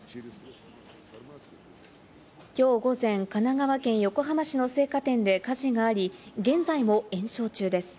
きょう午前、神奈川県横浜市の青果店で火事があり、現在も延焼中です。